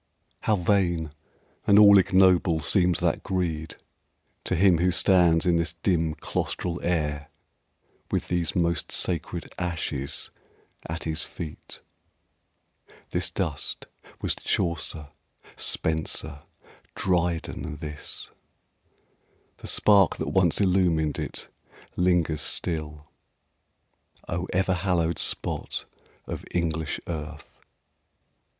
How vain and all ignoble seems that greed To him who stands in this dim claustral air With these most sacred ashes at his feet! This dust was Chaucer, Spenser, Dryden this The spark that once illumed it lingers still. O ever hallowed spot of English earth!